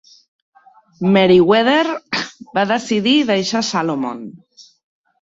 Meriwether va decidir deixar Salomon.